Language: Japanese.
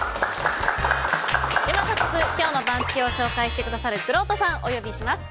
早速、今日の番付を紹介してくださるくろうとさんをお呼びします。